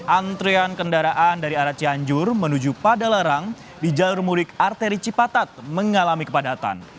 antrean kendaraan dari arah cianjur menuju pada larang di jalur mudik arteri cipatat mengalami kepadatan